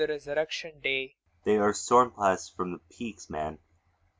They are storm blasts form the peaks, man!